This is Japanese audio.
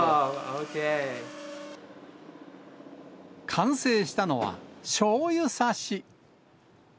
完成したのは、しょうゆさし。